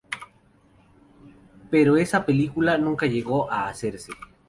Pero esa película nunca llegó a hacerse.